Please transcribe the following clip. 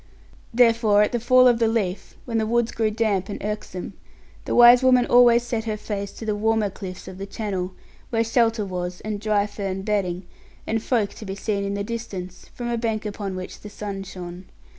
Therefore, at the fall of the leaf, when the woods grew damp and irksome, the wise woman always set her face to the warmer cliffs of the Channel; where shelter was, and dry fern bedding, and folk to be seen in the distance, from a bank upon which the sun shone.